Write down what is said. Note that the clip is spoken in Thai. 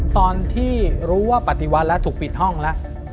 ตอนที่รู้ว่าปฏิวัติแล้วถูกปิดห้องแล้ว